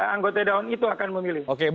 anggota daun itu akan memilih